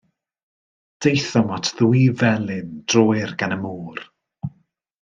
Daethom at ddwy felin droir gan y môr.